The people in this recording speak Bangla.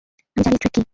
আমি জানি ট্রেক কি!